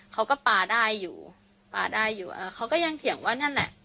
เขาก็ปลาได้อยู่ปลาได้อยู่เขาก็ยังเถียงว่านั่นแหละ